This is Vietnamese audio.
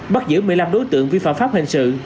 bắt giữ một mươi năm đối tượng vi phạm pháp hình sự